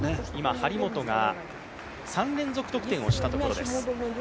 張本が、３連続得点をしたところです。